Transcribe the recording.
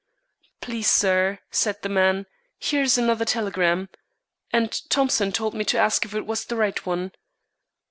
"Please, sir," said the man, "here's another telegram, and Thompson told me to ask if it was the right one."